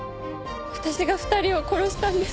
私が２人を殺したんです。